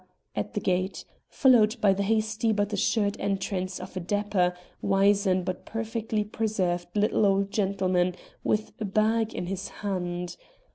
at the gate, followed by the hasty but assured entrance of a dapper, wizen, but perfectly preserved little old gentleman with a bag in his hand.